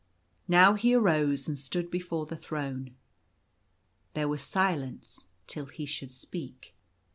Now he arose and stood before the throne. There was silence till he should speak.